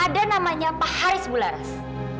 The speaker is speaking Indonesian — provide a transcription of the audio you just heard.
ada namanya pak haris bularas